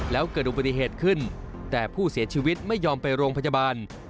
แล้วเกิดอุบัติเหตุขึ้นแต่ผู้เสียชีวิตไม่ยอมไปโรงพยาบาล